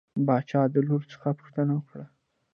باچا د لور څخه پوښتنه وکړه.